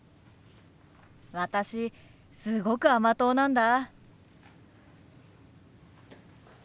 私すごく甘党なんだ。